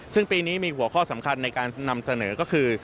ซึ่งปีนี้มีหัวข้อสำคัญในการนำเสนอก็คือ